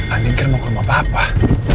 andin kan mau ke rumah bapak